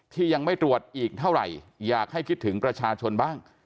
ที่ยังไม่ตรวจอีกเท่าไหร่อยากให้คิดถึงประชาชนบ้าง